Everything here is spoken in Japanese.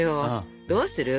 どうする？